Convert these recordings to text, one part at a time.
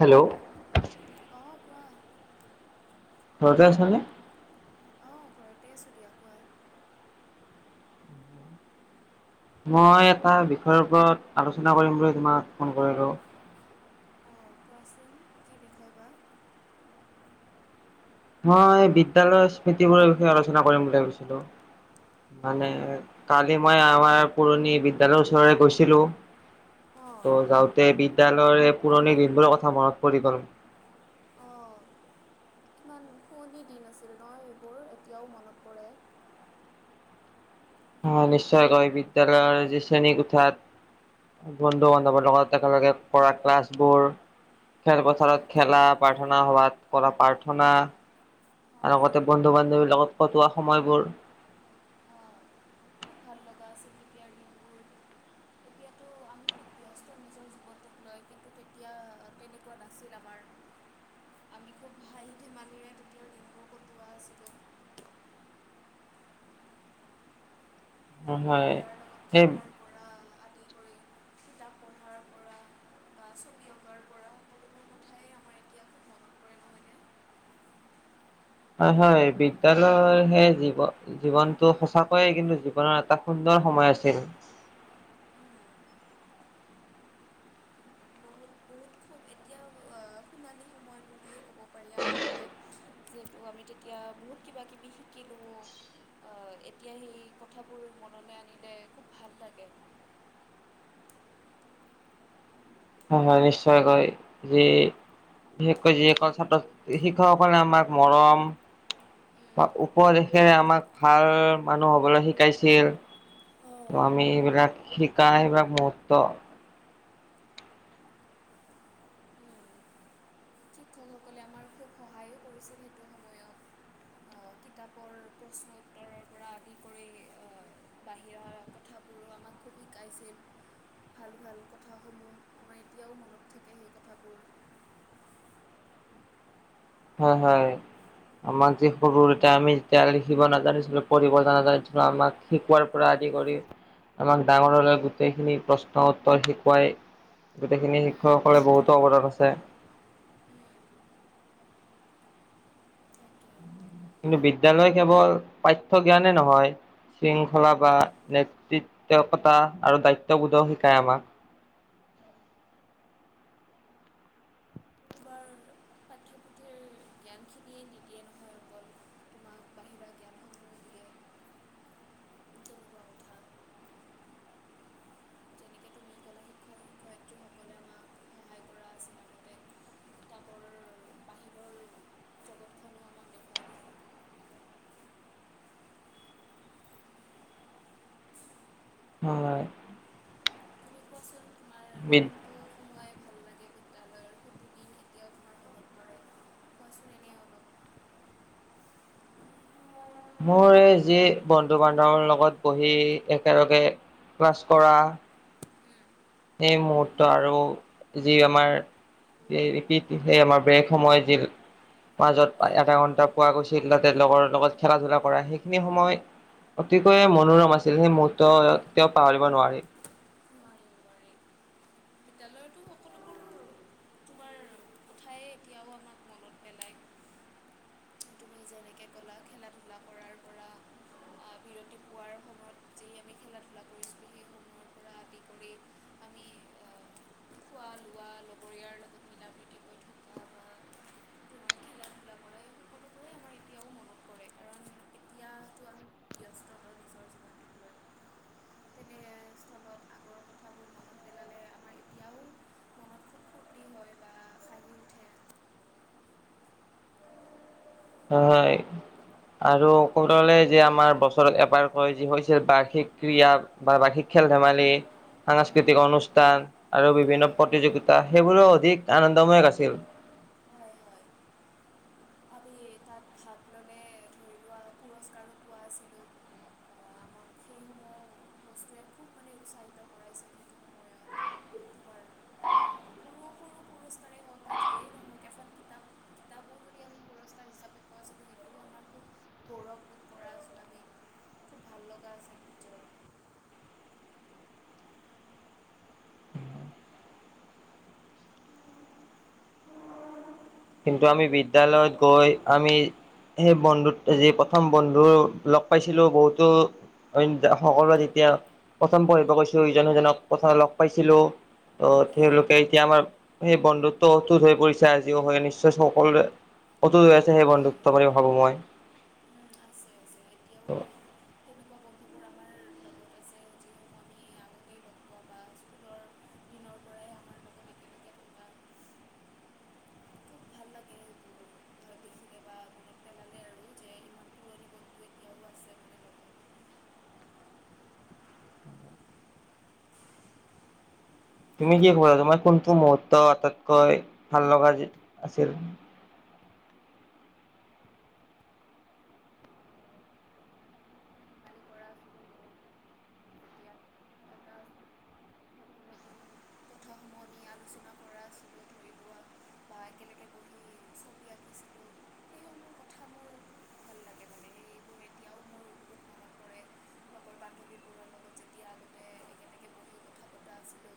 Hello. অ', কোৱা? ঘৰতে আছা নে? অ', ঘৰতে আছোঁ দি কোৱা। মই এটা বিষয়ৰ ওপৰত আলোচনা কৰিম বুলি তোমাক ফোন কৰিলোঁ। কোৱা চোন কি দেখাবা? মই বিদ্যালয়ৰ স্মৃতিবোৰৰ বিষয়ে আলোচনা কৰিম বুলি ভাবিছিলোঁ। মানে অঁ কালি মই আমাৰ পুৰণি বিদ্যালয়ৰ ওচৰলে গৈছিলোঁ। অঁ ত' যাওঁতে বিদ্যালয়ৰ এই পুৰণি দিনবোৰৰ কথা মনত পৰি গ'ল। অঁ। পুৱনি দিন আছিল ন এইবোৰ, এতিয়াও মনত পৰে। অঁ, নিশ্চয়কৈ বিদ্যালয়ৰ এই যে শ্ৰেণী কোঠাত - বন্ধু -বান্ধৱৰ লগত একেলগে কৰা ক্লাছবোৰ! অঁ খেলপথাৰত খেলা, প্ৰাৰ্থনা সভাত কৰা প্ৰাৰ্থনা, - আৰু অঁ লগতে বন্ধু বান্ধৱীৰ লগত কটোৱা সময়বোৰ! অঁ খুব ভাল লগা আছিল তেতিয়া দিনবোৰ। এতিয়া তো আমি খুব ব্যস্ত নিজৰ জীৱনটোক লৈ। লয়, কিন্তু তেতিয়া তেনেকুৱা নাছিল আমাৰ। আমিতো খুব হাঁহি ধেমালিৰে তেতিয়া দিনবোৰ কটোৱা আছিলোঁ। অঁ, হয়। লগৰীয়াৰ লগত সেই- খেলাৰ পৰা আদি কৰি কিতাপ পঢ়াৰ পৰা- বা ছবি অঁকাৰ পৰা সকলোবোৰ - [unintelligible] হয়, হয়। বিদ্যালয়ৰ সেই জীৱ- জীৱনতটো সঁচাকৈয়ে কিন্তু জীৱনৰ এটা সুন্দৰ সময় আছিল। এতিয়াও আ সোণালী সময় বুলিয়ে কব- ক'ব পাৰি আমাৰ বাবে। যিহেতু আমি তেতিয়া বহুত কিবা কিবি শিকিলোঁ। আ এতিয়া সেই কথাবোৰ মনলৈ আনিলে খুব ভাল লাগে। হয়, হয় নিশ্চয়কৈ। যি- বিশেষকৈ যিসকল ছাত্ৰ -ছাত্ৰী, শিক্ষকসকলে আমাক মৰম- বা উপদেশেৰে আমাক ভাল মানুহ হবলৈ শিকাইছিল। অঁ আমি এইবিলাক শিকা নাই বা গুৰুত্ত্ব - সকলে আমাৰ খুব সহায়ো কৰিছিল। সেইটো- সময়ত কিতাপৰ প্ৰশ্ন উত্তৰৰ পৰা আদি কৰি আ- বাহিৰৰ কথাবোৰো আমাক খুব শিকাইছিল। ভাল ভাল কথাসমূহ, আমাৰ এতিয়াও মনত থাকে সেই কথাবোৰ। হয়, হয়। আমাক যি সৰু তেতিয়া আমি যেতিয়া লিখিব নাজানিছিলো, পঢ়িব নাজানিছিলো। আমাক- শিকোৱাৰ পৰা আদি কৰি আমাক ডাঙৰলৈ গোটেইখিনি প্ৰশ্ন উত্তৰ শিকোৱাই- গোটেইখিনি শিক্ষকসকলে বহুতো অৱদান আছে। কিন্তু বিদ্যালয় কেৱল পাঠ্য জ্ঞানে নহয়। শৃংখলা বা নেতৃত্বকতা আৰু দায়িত্ববোধও শিকায় আমাক। বাৰু। পাঠ্য পুথিৰ- জ্ঞানখিনিয়ে নিদিয়ে নহয় অকল, তোমাক বাহিৰা জ্ঞান- তেনেকুৱা কথা যেনেকৈ তুমি ক'লা শিক্ষক শিক্ষয়িত্ৰীসকলে আমাক সহায় কৰা আছিল আগতে কিতাপৰ বাহিৰৰ জগতখনো আমাক দেখুৱাই দিছিল হয়। কচোন? বিন- টো সোমাই ভাল লাগে। বিদ্যালয়ৰ কোনটো দিন এতিয়াও তোমাৰ মনত পৰে কোৱাচোন এনে অলপ মোৰ এই যি বন্ধু বান্ধৱৰ লগত বহি একেলগে ক্লাছ কৰা সেই মহূৰ্ত আৰু যি আমাৰ সেই ৰিপিট সেই আমাৰ ব্ৰেক সময় যি মাজত অ আধা ঘন্টা পোৱা গৈছিল তাতে লগৰ উম লগত খেলা ধূলা কৰা সেইখিনি সময় অতিকৈ মনোৰম আছিল সেই মূহুৰ্ত উম কেতিয়াও পাহৰিব নোৱাৰি তেলৰ টো সকলোবোৰ তোমাৰ কথাই এতিয়াও আমাক মনত পেলায় যেনেকে কলা খেলা ধূলা কৰাৰ পৰা আ বিৰতি পোৱাৰ সময়ত যি আমি খেলা ধূলা কৰিছোঁ সেই সম আদি কৰি আমি অ খোৱা লোৱা লগৰীয়াৰ লগত মিলা প্ৰীতিকৈ থকা বা খেলা ধোলা সেটোৱে আমাৰ এতিয়াও মনত পৰে কাৰণ এতিয়াটো আৰু ব্যস্ত তেনেস্থলত আগৰ কথা মনত খুব ফূৰ্তি হয় বা হাঁহি উঠে হয় আৰু যে আমাৰ বছৰত এবাৰ হয় যি হৈছিল বাৰ্ষিক ক্ৰী়য়া বা বাৰ্ষিক খেল ধেমালি সাংস্কৃতিক অনুষ্ঠান আৰু বিভিন্ন অঁ প্ৰতিযোগিতা সেইবোৰো অধিক আনন্দময়ক আছিল হয় হয় আমি তাত ভাগ ললে ধৰি লোৱা পুৰস্কাৰ পোৱা আছিলো পাহৰিব নোৱাৰো কসে খুব মানে উৎসাহিত কৰাইছিল সময়ত কৰাৰ সৰু সৰু পুৰস্কাৰেই হওক বা যিয়েই নহওক এখন কিতাপ কিতাপো যদি আমি পুৰস্কাৰ গৌৰৱ কৰা ছোৱালি ভাল লগা আছে কিন্তু আমি বিদ্যয়ালয়ত গৈ আমি সেই বন্ধুত যি প্ৰথম বন্ধু লগ পাইছিলো বহুতো অইন সকলোৱে তেতিয়া প্ৰথম পঢ়িব গৈছো ইজনে সিজনক প্ৰথম লগ পাইছিলো ত তেওঁলোকে এতিয়া আমাৰ সেই বন্ধুত্ব অটুত হৈ পৰিছে আজিও হয় সকলোৰে অটুত হৈ আছে সেই হয় হয় বন্ধুত্ব বুলি ভাবোঁ মই উম, আছে আছে এতিয়াও তেনেকুৱা বন্ধুবোৰ আমাৰ লগত আছে যিবোৰ আমি আগতেই লগ পোৱা বা স্কুলৰ দিনৰ পৰাই আমাৰ লগত একেলগে থকা খুব ভাল লাগে সেইবোৰ ধৰ দেখিলে বা মনত পেলালে আৰু যে ইমান পুৰণি বন্ধু এতিয়াও আছে মানে লগত তুমি কি কবা তোমাৰ কোনটো মুহুৰ্ত আটাইতকৈ ভাল লগা যি আছিল যেতিয়া আমি খেল ধেমালি কৰা আছিলোঁ লগৰীয়াৰ লগত বহি যেতিয়া আমি কথা পতা আছিলোঁ নতুন নতুন কথাসমূহ আমি আলোচনা কৰা ধৰি লোৱা বা একেলগে ব সেইসমূহ কথা মোৰ খুব ভাল লাগে মানে সেইবোৰ এতিয়াও মোৰ বহুত মনত পৰে যেতিয়া মানে একেলগে বহি কথা পতা আছিলোঁ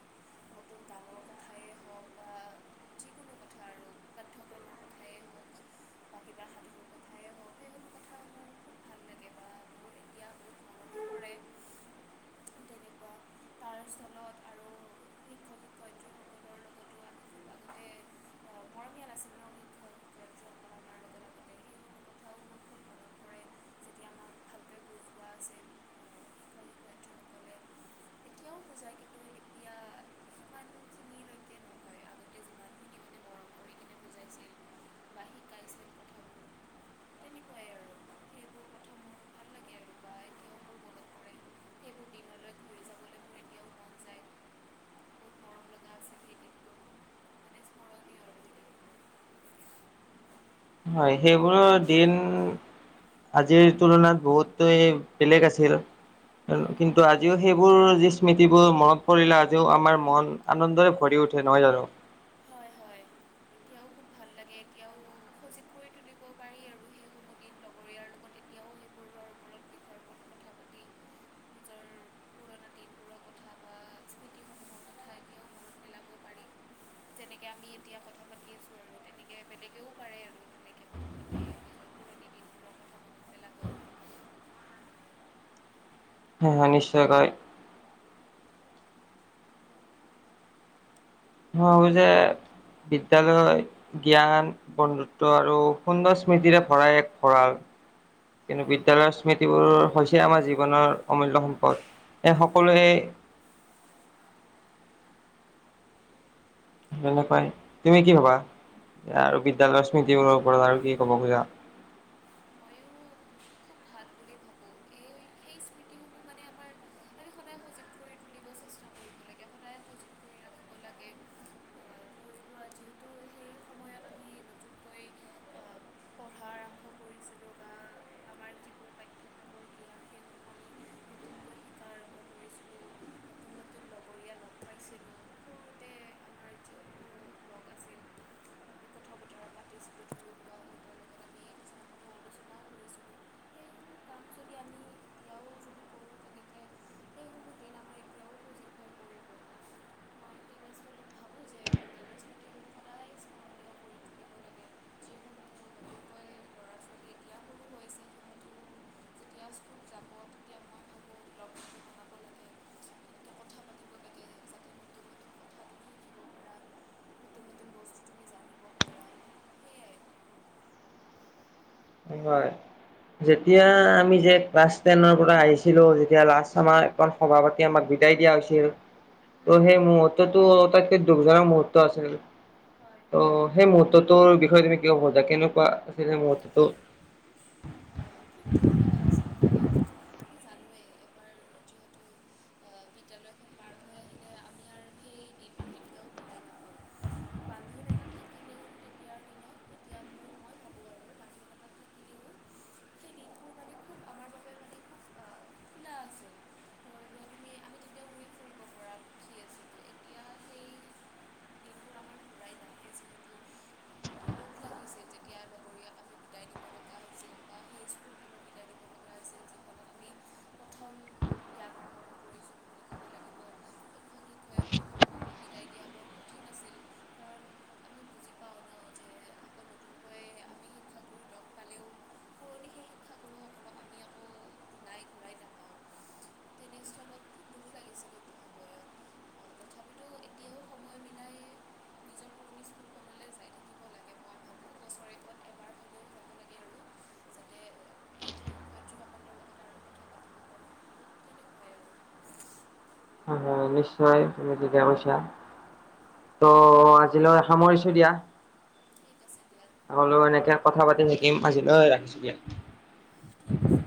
নতুন গানৰ কথাই হওক বা যিকোনো কথা আৰু পাঠ্যক্ৰমৰ কথাই হওক বা কিবা সাধুৰ কথাই হওক সেইসমূহ কথা মোৰ খুব ভাল লাগে বা মোৰ এতিয়া বহুত মনতো পৰে তেনেকুৱা তাৰ স্থলত আৰু শিক্ষক শিক্ষয়িত্ৰীসকলৰ লগতো আমি খুব আগতে আহ, মৰমীয়াল আছিল ন শিক্ষক শিক্ষয়িত্ৰীসকল আমাৰ লগত আগতে সেইসমূহ কথাও মোৰ খুব মনত পৰে যেতিয়া আমাক ভালকৈ বুজোৱা আছিল আহ, শিক্ষক শিক্ষয়িত্ৰীসকলে এতিয়াও বুজায় কিন্তু এতিয়া সিমানখিনিলৈকে নহয় আগতে যিমানখিনি মানে মৰম কৰি কিনে বুজাইছিল বা শিকাইছিল কথাবোৰ তেনেকুৱাই আৰু সেইবোৰ কথা মোৰ ভাল লাগে আৰু বা এতিয়াও মোৰ মনত পৰে সেইবোৰ দিনলৈ ঘূৰি যাবলৈ মোৰ এতিয়াও মন যায় বহুত মৰম লগা আছিল সেই দিনবোৰ খুব মানে স্মৰণীয় আৰু সেই দিনবোৰ হয় সেইবোৰো দিন আজিৰ তুলনাত বহুতে বেলেগ আছিল কিন্তু আজিও সেইবোৰ যি স্মৃতিবোৰ মনত পৰিলে আজিও আমাৰ মন আনন্দৰে ভৰি উঠে নহয় জানো হয় হয় এতিয়াও খুব ভাল লাগে এতিয়াও সজীৱ কৰি তুলিব পাৰি আৰু সেইবোৰ লগৰীয়াৰ লগত এতিয়াও বিষয়ৰ ওপৰত কথা পাতি নিজৰ পুৰণা দিনবোৰৰ কথা বা স্মৃতিসমূহৰ কথা যেনেকে আমি এতিয়া কথা পাতি আছোঁ আৰু তেনেকে বেলেগেও পাৰে আৰু তেনেকৈ কথা পাতি নিজৰ পুৰণি দিনবোৰৰ কথা মনত পেলাব হয় হয় নিশ্চয়কৈ মই ভাৱো যে বিদ্যালয় জ্ঞান বন্ধুত্ব আৰু সুন্দৰ স্মৃতিৰে ভৰা এক ভঁৰাল কিন্তু হয় বিদ্যালয়ৰ হয় স্মৃতিবোৰ হৈছে আমাৰ জীৱনৰ অমূল্য সম্পদ এই সকলোৱে হয় - হয় ল'ব পাৰি, তুমি কি ভবা আৰু বিদ্যালয়ৰ স্মৃতিৰ ওপৰত আৰু কি ক'ব খোজা? ময়ো ভাল বুলি ভাবো এই এই স্মৃতি সমূহত - এই আমাৰ আমি সদায় সজোগ কৰি তুলিব চেষ্টা কৰিব লাগে, সদায় সজীৱ কৰি ৰাখিব লাগে। হৈ যোৱা, যিহেতু সেই সময়ত আমি বুজি - পঢ়াৰ আৰম্ভ - পাঠ্যক্ৰমৰ জ্ঞান সেইসমূহ আমি নতুনকৈ শিকা আৰম্ভ কৰিছিলোঁ নতুন নতুন লগৰীয়া লগ পাইছিলোঁ সৰুতে আমাৰ যিসমূহ লগ আছিল কথা বতৰা পাতিছিলোঁ ধৰি লোৱা সিহঁতৰ লগত আমি কিছুমান কথা আলোচনাও কৰিছিলোঁ সেইসমূহ কাম যদি আমি এতিয়াও যদি কৰোঁ তেনেকৈ সেইসমূহ দিন আমাৰ এতিয়াও সজীৱ হৈ পৰিব মই তেনেস্থলত ভাবোঁ যে বিদ্যালয়ৰ স্মৃতিসমূহ সদায় স্মৰণীয় কৰি তুলিব লাগে যিসমূহ নতুনকৈ ল'ৰা ছোৱালী এতিয়া সৰু হৈ আছে সিহঁতেও যেতিয়া স্কুল যাব তেতিয়া মই ভাবোঁ লগ বন্ধু বনাব লাগে তেনেকৈ কথা পাতিব লাগে যাতে নতুন নতুন কথা তুমি শিকিব পাৰা নতুন নতুন বস্তু তুমি জানিব পাৰা সেয়াই হয়। যেতিয়া আমি যে, ক্লাছ টেনৰ পৰা আহিছিলো, যেতিয়া লাষ্ট সময়কন - সভা পাতি আমাক বিদায় দিয়া হৈছিল। ত' সেই মুহূৰ্তটো আটাইতকৈ দুখজনক মুহুৰ্ত আছিল। ত' হয় সেই মুহূৰ্তটোৰ বিষয়ে তুমি কি ক'ব খুজা, কেনেকুৱা আছিল সেই মুহূৰ্তটো? [unintelligible] দুখজনক আছিল, কাৰণ আমি জানোৱে - কেনেকৈ পাৰ - [unintelligible] আমি আৰু সেই দিন - বান্ধোন এটা থাকে। তেতিয়াৰ দিনত। এতিয়া মোৰ, মই ভাবো আৰু। স্কুল বাবে খুব, আমাৰ বাবে মানে খুব - খোলা আছিল ৷ পৰা সুখী আছিলোঁ এতিয়া সেই দিনবোৰ আমাৰ ঘূৰাই নাহে যিহেতু এইয়াৰ লগৰীয়াক আমি - গাত যে গাত ধৰিছিলো লগত। প্ৰথম - জ্ঞান আহৰণ - শিক্ষয়িত্ৰীসমূহকো বিদায় দিয়া বৰ্ষ - কি নাছিল। কাৰণ - হয়, আমি শিক্ষা গুৰু - শিক্ষাগুৰুসকলক আমি আকৌ নাই ঘূৰাই নাপাওঁ তেনেস্থলত দুখ লাগিছিল সেইটো সময়ত তথাপিতো এতিয়াও সময় মিলাই নিজৰ পুৰণি স্কুলখনলৈ যাই থাকিব লাগে মই ভাবোঁ বছৰেকত এবাৰ হ'লেও যাব লাগে আৰু যাতে শিক্ষক শিক্ষয়িত্ৰীসকলৰ লগত আৰু কথা পাতিব পাৰোঁ তেনেকুৱাই আৰু হয় হয় নিশ্চয়, তুমি ঠিকে কৈছা। ত' আজিলৈ সামৰিছো দিয়া। ঠিক আছে দিয়া আগলৈ এনেকে কথা পাতি থাকিম, আজিলৈ ৰাখিছো দিয়া। ঠিক আছে